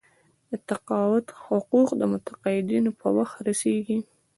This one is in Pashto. د تقاعد حقوق متقاعدینو ته په وخت رسیږي.